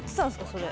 それ。